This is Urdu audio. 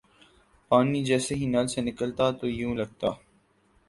پانی جیسے ہی نل سے نکلتا تو یوں لگتا